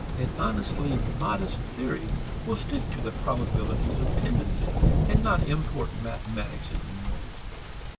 An honestly modest theory will stick to the probabilities of tendency, and not import mathematics into morals.